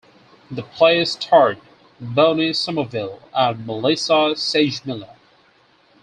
The play starred Bonnie Somerville and Melissa Sagemiller.